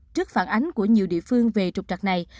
trước phản ánh của nhiều địa phương về trục trặc này